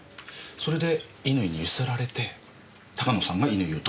それで乾にゆすられて鷹野さんが乾を毒殺したと。